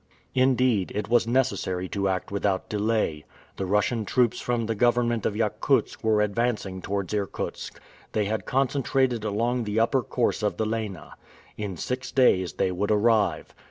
Indeed, it was necessary to act without delay. The Russian troops from the government of Yakutsk were advancing towards Irkutsk. They had concentrated along the upper course of the Lena. In six days they would arrive.